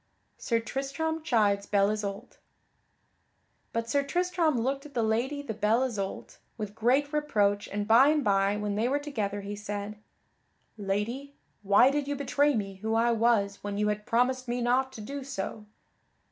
[Sidenote: Sir Tristram chides Belle Isoult] But Sir Tristram looked at the Lady the Belle Isoult with great reproach and by and by when they were together he said: "Lady, why did you betray me who I was when you had promised me not to do so?"